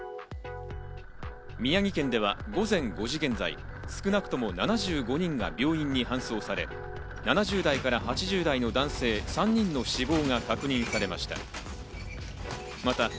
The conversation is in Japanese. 宮城県では午前５時現在、少なくとも７５人が病院に搬送され、７０代から８０代の男性３人の死亡が確認されました。